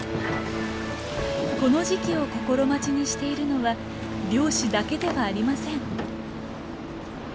この時期を心待ちにしているのは漁師だけではありません。